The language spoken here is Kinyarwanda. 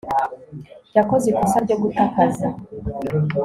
yakoze ikosa ryo guta akazi